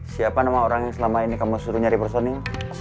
siapa nama orang yang selama ini kamu suruh nyari personil